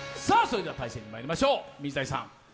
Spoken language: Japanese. それでは対戦にまいりましょう水谷さん